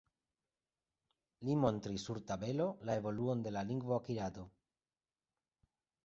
Li montris sur tabelo la evoluon de la lingvo akirado.